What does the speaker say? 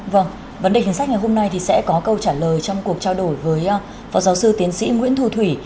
vâng vấn đề chính sách ngày hôm nay thì sẽ có câu trả lời trong cuộc trao đổi với phó giáo sư tiến sĩ nguyễn thu thủy